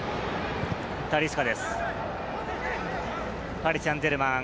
パリ・サンジェルマン。